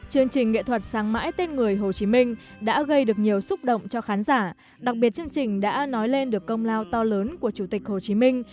chương trình nghệ thuật sáng mãi tên người hồ chí minh đã gây được nhiều xúc động cho khán giả đặc biệt chương trình đã nói lên được công lao to lớn của chủ tịch hồ chí minh